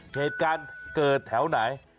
เหตุการณ์เกิดแถวไหน